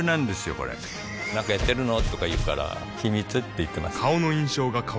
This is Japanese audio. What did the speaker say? これなんかやってるの？とか言うから秘密って言ってます